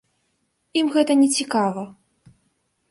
Ім гэта не цікава.